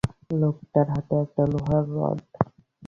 লোকটার হাতে একটা লোহার রড।